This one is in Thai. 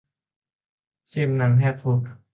สิบ หนังแหกคุก